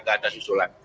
gak ada susulan